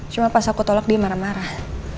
cuma pas aku tolak dia marah marah